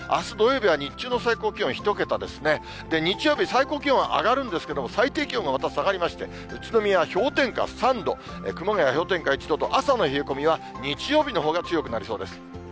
日曜日、最高気温は上がるんですけれども、最低気温がまた下がりまして、宇都宮は氷点下３度、熊谷は氷点下１度と、朝の冷え込みは日曜日のほうが強くなりそうです。